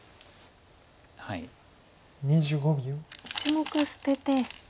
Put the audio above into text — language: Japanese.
１目捨てて。